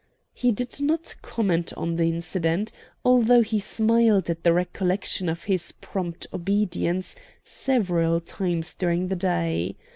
He did not comment on the incident, although he smiled at the recollection of his prompt obedience several times during the day.